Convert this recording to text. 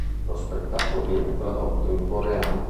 Lo spettacolo viene tradotto in coreano.